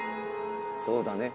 そうだね？